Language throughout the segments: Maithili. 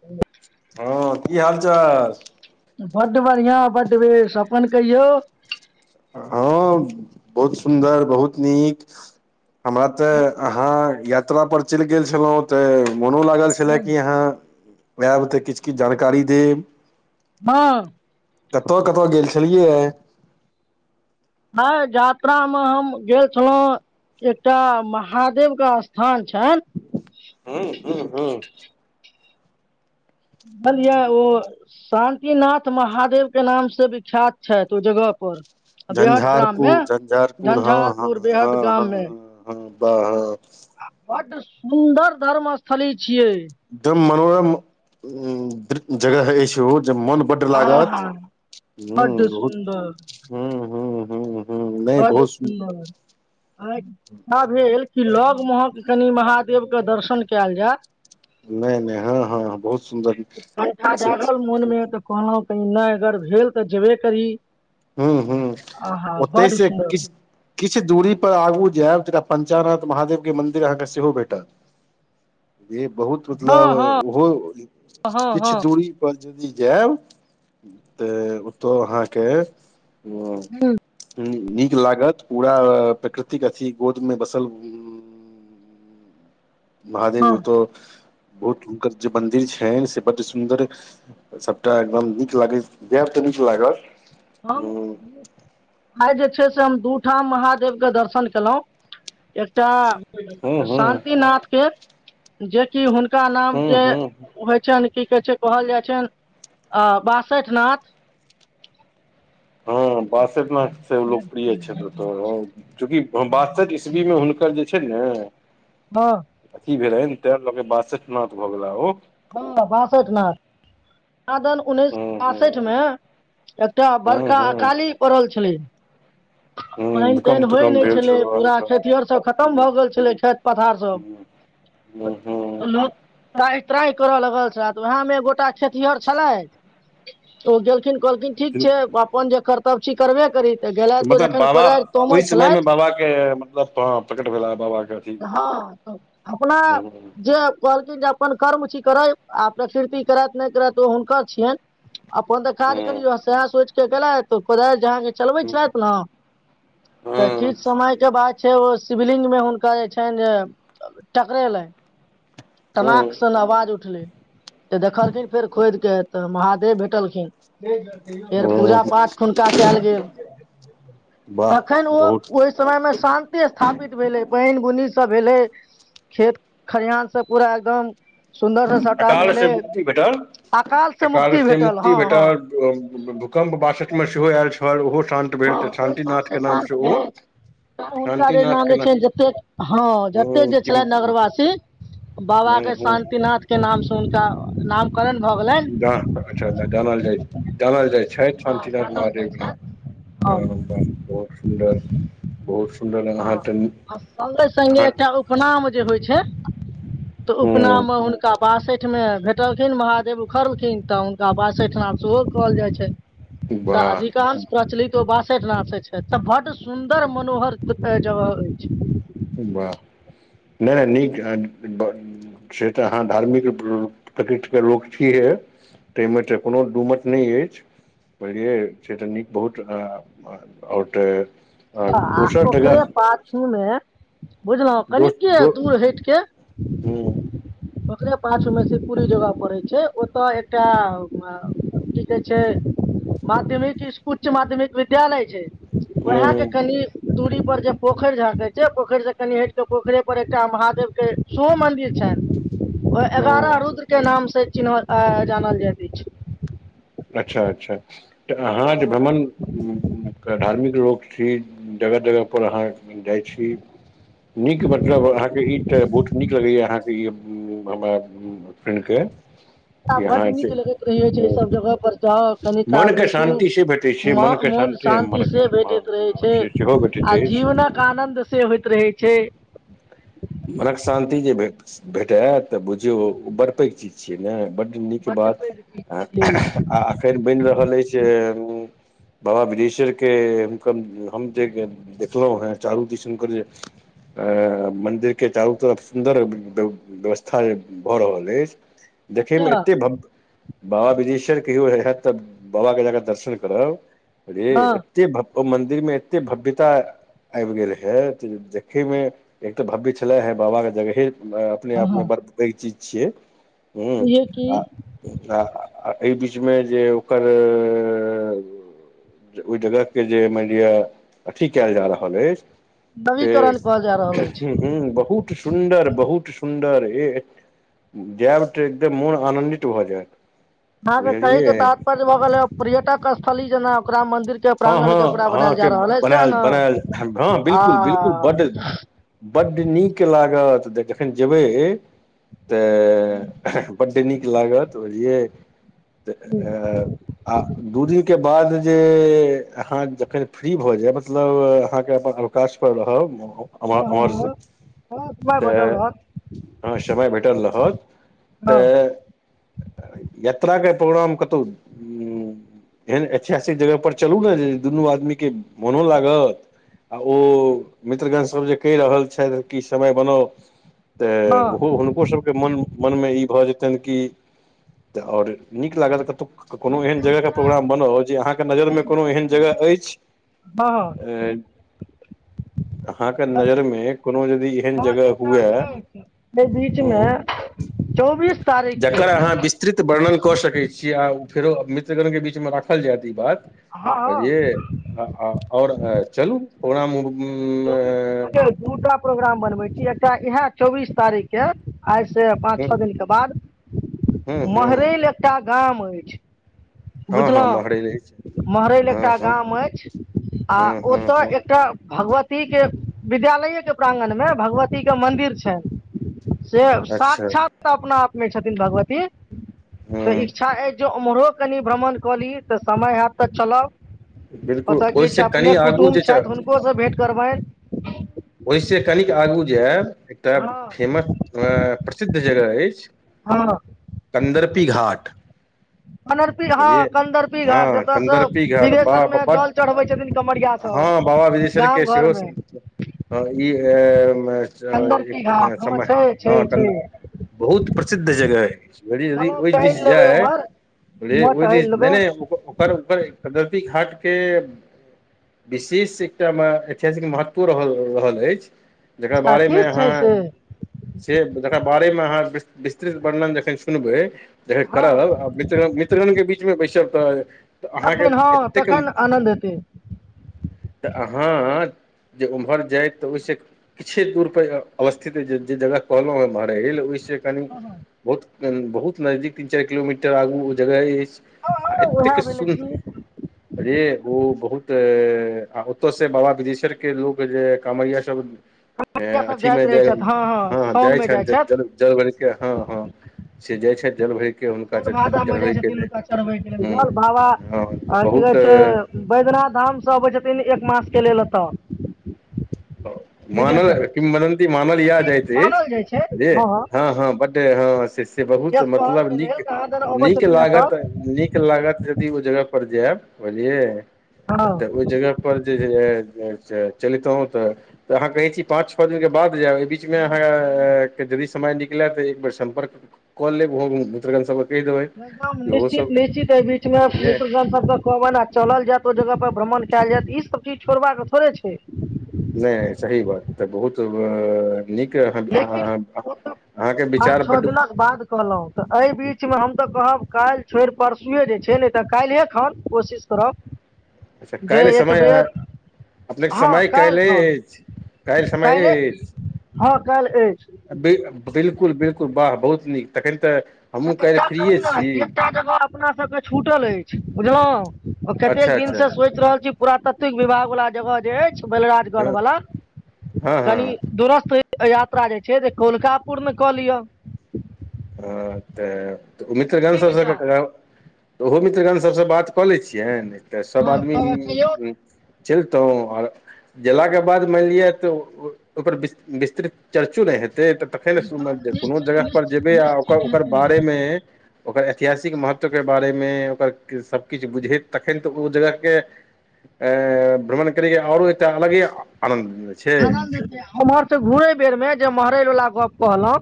ह [unintelligible] हँ कि हाल चाल? बड बढ़ियां बड बेस। अपन कहियो? अहो, बहुत सुन्दर बहुत निक। हमरा तऽ अहाँ यात्रा पर चेल गेल छेलो ओते मोनो लागल छेले हँ कि यहाँ, ऐब तऽ किछ-किछ जानकारी देब। हँ कतअ-कतअ गेल छेलिये ये? हइ यात्रा मऽ हम गेल छेलो एकटा महादेव कऽ स्थान छैन हूम्ह हूँ-हूँ। भलिया ओ शांतिनाथ महादेव के नाम से बिख्यात छैत ओ जगह पर। बेहट ग्राम मे झंझारपुर झंझारपुर झंझारपुर बेहट हँ-हँ-हँ-हँ-हँ हँ बाह हँ। आ बड सुन्दर धर्म स्थली छियै। एकदम मनोरम जगह [unintelligible] ओ जे मन बड्ड आ हा लागत हू बड्ड बहुत सुन्दर हू-हू-हू बड सुन्दर आ इच्छा भेल कि लग महक कनि महादेवके दर्शन केल जाय। नहि नहि हँ-हँ बहुत सुन्दर कंठा जागल मोनमे तऽ कहलहु कनी नहि अगर भेल तऽ जेबे करी। हू-हू आहा बड्ड ओतहिसँ सुन्दर किछ किछ दूरी पर आगू जेब तरा पञ्चानाथ महादेव के मन्दिर अहाँके सेहो भेटत। जे बहुत मतलब हँ हँ ओहो हँ किछ हँ दूरी पंचयदि जायब तऽ ओतौ अहाँके हँ ह हुँ नीक लागत पूरा प्रकृतिक अथी गोद मे बसल हुँ महादेव हँ ओ तऽ बहुत हुनकर जे मन्दिर छैन से बड्ड सुन्दर सभटा एकदम नीक लागैत जैब तऽ नीक लागत। हम हूँ [unintelligible] आइ जे छै से हम दू ठाम महादेवके दर्शन केलहुँ एकटा [unintelligible] हूँ शान्तिनाथके जेकि हुनका नाम हूँ जे हूँ होइ छनि की कहै छै कहल जाइ छनि अ बासैठ नाथ हँ बसटनाथ से लोकप्रिय छैेत्र त चूँकि अ वासठ ईस्वीमे हुनकर जे छै ने हँ अथी भेले ते लऽ के बासठ नथ भऽ गेला ओ। हँ बासठ नाथ कहादैन उन्नैस हूँ सए हूँ बासठ मे एकटा हूँ बड़का हूँ अकाली पड़ल छलै। हूँ पैन तैन भूकम्प होइ तूकम्प नहि भेल छलै पूरा अच्छा खेत आरसभ खतम भऽ हूँ गेल छलै खेत पथार सभ हूँ-हूँ त्राइ त्राइ करय लगल छले तऽ उएहमे गोटा खेती आर छलथि। ओ गेलखिन कहलखिन ठीक हूँ छै अपन जे कर्तव्य छी करबे करी तेय त मतलब बाबा ओहि समयमे बाबाके मतलब प्रकट भेला बाबाके अथी हँ अपना हूँ जऽ कहलखिन जे अपन कर्म छी करै आ प्रकृति करैथ नहि करैथ ओ हुनकर छियेन। अपन तऽ काज हूँ करियौ सेह सोचि कऽ गेलैथ कोदाइर जे अहाँके चलबै हूँ छलैथ नऽ तऽ हूँ किछ समय के बाद छै ओ शिवलिंग मे हुनका जे छनि जे। टकरैलन टनाक हूँ सऽ नऽ आवाज उठलै तऽ देखलखिन फेर खोद के तऽ महादेव भेटलखिन फेर ओ पूजा-पाठ हुनका कैल गेल वाह तखन ओ बहुत ओए समय में शान्ति स्थापित भेलै पइन बुनी सब भेलै खेत खलिहान सब पूरा एकदम सुन्दर स सबटा अकाल भेलै से मुक्ति भेटल अकाल से मुक्ति भेटल हँ हँ भूकम्प बासठ मे सेहो ऐल छल ओहो शान हँ भेट ओहि ‌छांटिनाथ सबसँ के शान्त नामसँ ओ भेल हुनका जे शान्तिनाथ नाम के जे छनि जतेक हँ जतेक हँ जे कि छलैन हँ नगरवासी बाबा के शान्तिनाथ के नाम से हुनका नाम जा अच्छा जानल जाए छैथ जानल जाइ छै हँ शन्तिनाथ जानल जाइ महादेव के नाम छथि हँ ह बाह बहुत सुन्दर बहुत सुन्दर अहाँ तऽ संगे-संगे अहाँ एकटा उपनाम जे होइ छै तऽ उपनाम मऽ हँ हुनका बासैठ मे भेटलखिन महादेव उखड़लखिन तऽ हुनका बासैठनाथ सेहो कहल जाइ छैन। तऽ वाह अधिकांश प्रचलित ओ बासठि नाथे ‌छै तऽ बड्ड सुंन्दर मनोहर जगह अइछ बाह नै नीक [unintelligible] से तऽ अहाँ धार्मिक प्रऽ प्रकृतिके लोक छिहे तैय मे तऽ कोनो दूमत नहि अएछ बुझलियै से तऽ नीक बहुत आ आ ओर तऽ आओर अ आ दोसर जगह ओकरे पाछूमे बुझलौ दोस कनिके दो दूर हैट केऽ हूँ ओकरे पाछु में शिवपुरी जगह पड़ै छै ओत अ की कहै छै माध्यमिक इस्कू उच्च माध्यमिक विद्यालय छैय उहै के हूँ कनि दूरी पर जे पोखरि-झाकैर छै पोखरि से कनि हट के पोखरे पर एकटा महादेव के सेहो मन्दिर छैन। ओ एगारह रुद्र के नाम से चिन्हल अ जानल जाइत अएछ अच्छा अच्छा तऽ अहाँ हँ जे हँ भ्रमण क धार्मिक लोक छी जगह-जगह पर अहाँ जाइ छी नीक मतलब अहाँके ई तऽ बहुत नीक लगैया अहाँके ई हम्म हमरा फ्रेंड के ताऽ कि अहाँ बडु नीक एते लगैत रहै छै एहि सब जगह पर जाउ कनि काल मनके बैसू शान्ति से भेटैत छै मनके मन शान्ति शांति मन से भेटैत रहै छै से सेहो भेटैत आ अछि जीवन क आनन्द से होइत रहै छै। मनक शान्ति जेे भेट भेटे तऽ बुझियौ ओ बड़ पैघ चीज छियै ने बड नीक बड्ड बात पैघ चीज आ छियै अखेन बनि रहल अइछ। बाबा बिदेश्वर के हुनकर हम जे देखलों हें चारू दिस हुनकर जे अऽ मन्दिर के चारू तरफ सुन्दर ब्य-व्यवस्था जे भऽ रहल अइछ देखैमे अच्छा एतेक भव्य बाबा बिदेश्वर कहियो हत तऽ बाबा के जाकऽ दर्शन करब रे हँ एते भव्य मन्दिरमें एते भव्यता आबि गेल है त देखे मे एक तऽ भव्य छै छलै हे बाबाके जगहे अपने हँ आपमे हँ बड़ पैघ चीज छियै ह जे कि आ आ एहि बीचमे जे ओकर रररर ओहि जगह के जे मानि लिअ अथी कयल जा रहल अछि। से नवीकरण होमय जा रहल अछि। ह बहुत सुन्दर बहुत सुन्दर ए जायब त एकदम मोन आनन्दित भऽ जायत। आहा के कहे के बुझलियै तात्पर्य भऽ गेल ह पर्यटक स्थली जेना ओकरा मंदिर के हँ प्रांगण के हँ पूरा आहाँ बनायल जा के रहल अइ सएह बनायल ने बनायल हँ आ बिलकुल बिलकुल बड बड्ड नीक लागत जे जखन जेबै तऽ बड नीक लागत बुझलिय तऽ अ आ दू दिन के बाद जे अ अहाँ जखन फ्री भऽ जाय मतलब अहाँके अपन अवकाश पर रहब [unintelligible] हम हँ हँ हमर से हँ हँ समय बचल तऽ रहत हँ समय भेटल रहत हँ तऽ यात्रा के प्रोग्राम कतहु एहन ऐतिहासिक जगह पर चलू ने जे दुनू आदमी के मोनो लागत आ ओ मित्रगणसभ जे कहि रहल छथि कि समय बनाउ तऽ हँ ओहो हुनको सब मन मनमे ई भऽ जेतनि कि त आओर नीक लागत कतौ हँ कोनो एहन जगह के प्रोग्राम बनाउ जे अहाँके नजर मे कोनो एहन जगह अछि हँ [unintelligible] एन [unintelligible] नजरिमे कोनो यदि एहन हँ जगह एकटा हुए अछि एहि बीचमे हँ चौबीस तारीखके जकर अहाँ विस्तृत वर्णन कऽ सकैत छी आ फेरो मित्रगण के बीच मे राखल जायत ई बात हँ कहिय हँ आ ओर चलू प्रोाम चौबीस देखौ दू टा प्रोग्राम बनबैत छी एकटा इएह चौबीस तारीख के आइसँ पाँच हूँ छओ दिनके बाद हूँ महरैल एकटा गाम अछि। हँ-हँ बुझलहुँ महरैल रहै छै। महरैल हँ एकटा हँ गाम अछि आ हँ हँ हँ ओतय एकटा भगवत के विद्यालये के प्रांगण मे भगवती के मंन्दिर छ। से अच्छा साक्षात अपना आपमे छथिन भगवती तऽ हँ इच्छा अछि जे उम्हरो कनि भ्रमण कऽ ली तऽ समय हत तऽ चलब। बिलकुल ओतय किछु ओहिसँ कनि अपने आगू कुटुम जे छै छथि हुनको से भेँट करबनि ओहिसँ कनिक आगू जायब एकटा हँ फेमस अ प्रसिद्ध जगह अछि। हँ कन्दरपी घाट कदरपी ह बुझलियै कदरपी घाट हँ जत से कन्दर्पी घाट बाह सिंघेशसर में बड जल चढ़बै छथिन कमरिया हँ सब बाबा बिदेश्वरके गाम सेहो घरमे ई [unintelligible] हँ इ मे कन्दर्पी घाट हे। हँ समय छै छै हँ छै कंद बहुत प्रसिद्ध जगह है घड़ी यदि चलब ओहि टहलि दिस लेबै जाय उम्हर रे उम्हर ओहि टहलि दिन नै लेबै नो ओकर ओकर गलती घाट के विशेष एकटा मे ऐतिहासिक महत्व रहल रहल अछि। जकर अच्छा बारेमे ठीक छै अहाँ से से जकर बारेमे अहाँ विस विस्तृत वर्णन जखैन सुनबै जखैन हँ करब आ त मित्रगण के बीचमे बैसब तऽ तऽ अहाँके तखन हँ एतेक तखन आनन्द हेतै तऽ अहाँ जे उमहर जाय तऽ ओहिसे किछे दूर पर अवस्थित जे जगह कहलहुँ एमहर अइ ओहिसं कनी बहुत बहुत नजदीक तीन चारि किलोमीटर आगू ओ जगह अछि। हँ आ हँ उएह एतेक भेलै सुन कि रे ओ बहुत ओतऽ से बाबा बिदेश्वर के लोक जे कामरिया सब कन्हैया सब जाइत अथीमे रहै जे छथि हँ हँ जाय साउनमे छै जाइ छथि जल जल भरिके हँ हँ से जाइ छथि जल भरिके हुनका त मे जाइ छथिन हुनका चढ़बै के लेल जल बाबा हँ तऽ आ की कहै छै बहुत बैद्यनाथ धामसँ अबै छथिन एक मास के लेल एतऽ विदेशसँ मानल किंवदन्ती मानल यैह ई जाइत अछि, मानल जाइ छै बुझलियै हँ हँ बड के हँ से बहुत एक मतलब कहरके लेल नीक कहाँ दन अबै नीक छथिन लागत एतऽ नीक नीक लागत यदि ओ जगह पर जायब बुझलियै हँ तऽ ओहि जगह पर जे चलितहुं तऽ तऽ अहाँ कहै छी पाँच छओ दिनके बाद जायब एहि बीचमे अहाँके यदि समय निकले तऽ एक बेेर सम्पर्क क लेब भोर मे [unintelligible] ित्रकान सबत [unintelligible] निश्चित निश्चित है बीच मे [unintelligible] मश्र बुझलियै सब कहबनि आब चलल जायत ओहि जगह पर भ्रमण कयल जायत, ईसभ चीज छोड़बाक थोड़े छै। नै सही बात तऽ बहुत ओहिमे नीके, लेकिन ओ तऽ अहाँके पाँच विचार छओ बड दिनक बाद कहलहुँ तऽ एहि बीचमे हम तऽ कहब काल्हि छोड़ि परसुए जे छै ने तऽ काल्हिए खन कोशिश करब अच्छा जे काल्हि एक समय बेर अपनेके हँ समय काल्हि खन, अछि काल्हि समय हँ काल्हि अछि। ब बिलकुल बिलकुल वाह बहुत नीक तखन तऽ हमहूँ तऽ काल्हि एकटा करू फ्रिये ने छी। एकटा जगह अपना सबके छूटल अछि, बुझलहुँ कतेक अच्छा दिन अच्छा से सोचि रहल छी पुरातात्विक विभाग वला जगह जे अछि बलराजगढ़ हँ बला हँ हँ कनि दुरस्त यात्रा जे छै से कौलका पुर्ण क लिअ। हँ त मित्रगन की सबसे विचार कराउ। ओहो मित्रगण सभसे बात क लै छियैनि त सभ हँ आदमी उं उं कहियौ उं चलितहुं आर गेलाके बाद मानि लिअ त ओ ओकर विस विस्तृत चर्चो ने हेतै त तखनि हँ सुमद्य कोनो निश्चित जगह पर निश्चित जेबै आ ओकर निश्चित ओकर हेतै बारेमे ओकर ऐतिहासिक महत्वके बारेमे ओकर सब किछु बुझैत तखन त ओ जगहके ऐं भ्रमण करैके आरो एकटा अलगे आनन्द छै आनंद छै आ उम्हर स घूरै बेर मे जे महरैल वला गप कहलौं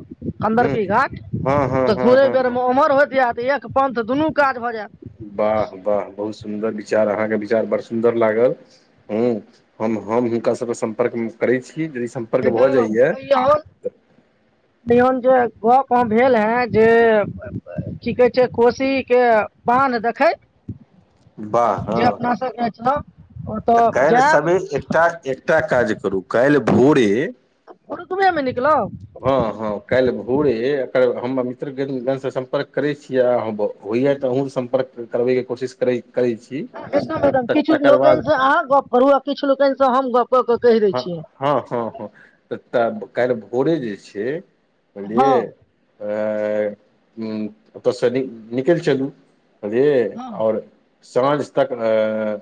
हँ कंदर्पी घाट हँ हँ त हँ घुरै हँ हँ बेरमे उम्हर होइत आएब, एक पंथ दुनू काज भ जाएत। वाह वाह बहुत सुन्दर विचार, अहाँके विचार बड सुन्दर लागल। हुं हम हम हिनका सभके सम्पर्क मे करै छी जे सभ ह त आ [unintelligible] कहियौन जे गप भेल हेँ जे की कहै छै कोशीके बान्ह देखैत वाह जे अपना सबके छौ। त काल्हि सबेर एकटा एकटा काज करू काल्हि भोरे। भोरुकबेमे निकलब। हँ हँ काल्हि भोरे एकर हम मित्रगण गण सं सम्पर्क करै छियै आ भो। होइया त अहुंसँ सम्पर्क करबैके कोशिश करै करै छी। एकदम एकदम किछु तकर बाद लोकनि सं अहाँ गप करू आ किछु लोकनि सं हम गप क क कहि दै हँ छियैन। हँ हँ हँ त त काल्हि भोरे जे छै हँ बुझलियै। अ हुं ओत सँ निकेल निकलि चलू। बुझलिअइ हँ आओर साँझ तक अ अ।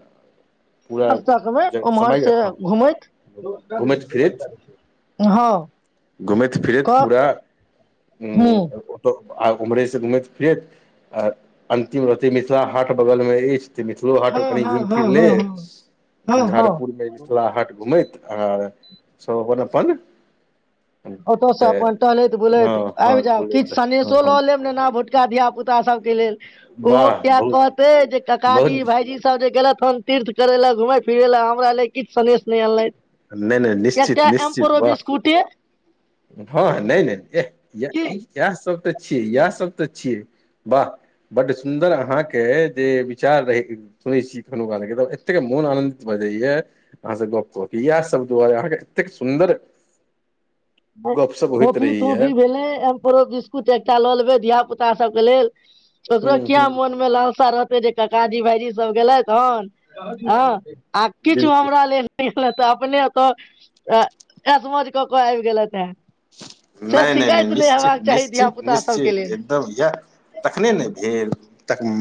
सांझ तक एबै उम्हर सं घुमैत घुमैत हँ। घूमैत फिरैत पूरा। हुं। आ उम्हरे से घुमैत फिरैत आ अंतिम रहतै मिथिला हाट बगलमे अछि। त मिथिलो हँ हाट कनि हँ घुमि हँ फिर हँ लेब हँ हँ हँ झंझारपुर मे। मिथिला हाट घुमैत आर सब अपन अपन। ओत सँ तऽ अपन टहलैत बुलैत हँ हँ आबि जाउ बोले किछु तऽ हँ सनेेशो हँ ल लेब नेना भुट। का धियापुता सबके लेल ओहो वाह किए बहुत कहतै जे ककाजी बहुत भाईजी सब जे गेलथि हन। तीर्थ करै ले घुमै फिरै ले हमरा ले किछु सनेेश नै अनलैन। नहि नहि निश्चित किएकटा एम्प्रो बिस्कुटे। हं हं नहि ने की इएह सब त छियै इएह सब त छियै वाह। बड्ड सुन्दर अहाँके जे विचार रहै। सुनै छी कखन कालके त एतेक मोन आनंन्दित भ जाइया। अहाँ से गप क के इएह सभ दुआरे अहाँके कतेक सुन्दर। गपशप होइत फोंफी रहैया तोंफी भेलै। एम्प्रो बिस्कुट एकटा ल लेबै धिया पूता सब के लेल ओकरो हूँ किया हूँ मोन मे लालसा रहत। जे ककाजी भाईजी सब गेलथि हन हं आ किछु बिल्कुल हमरा लेल। नै अनलथिए अपने त ऐश मौज क क आबि गेलथै हे। से नहि नहि नहि शिकायत नै हेबाक चाही धिया पूता सबके लेल। तब यैह तखने ने भेल तम।